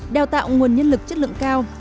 đeo tạo nguồn nhân lực chất lượng cao